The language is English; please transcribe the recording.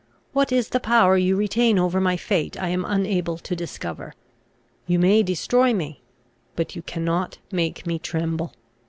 What is the power you retain over my fate I am unable to discover. You may destroy me; but you cannot make me tremble.